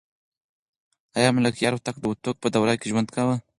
آیا ملکیار هوتک د هوتکو په دوره کې ژوند کاوه؟